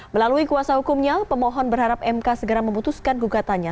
melalui kuasa hukumnya pemohon berharap mk segera memutuskan gugatannya